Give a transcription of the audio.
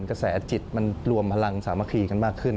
กระแสจิตมันรวมพลังสามัคคีกันมากขึ้น